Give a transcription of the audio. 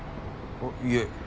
あっいえ。